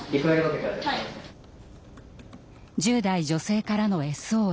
１０代女性からのＳＯＳ。